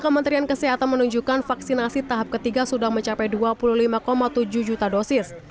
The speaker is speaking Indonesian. kementerian kesehatan menunjukkan vaksinasi tahap ketiga sudah mencapai dua puluh lima tujuh juta dosis